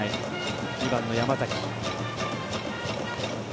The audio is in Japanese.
２番の山崎。